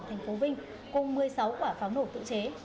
thành phố vinh cùng một mươi sáu quả pháo nổ tự chế